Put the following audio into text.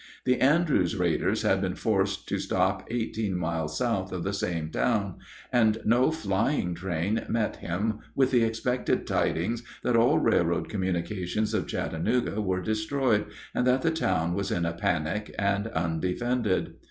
The Andrews raiders had been forced to stop eighteen miles south of the same town, and no flying train met him with the expected tidings that all railroad communications of Chattanooga were destroyed, and that the town was in a panic and undefended.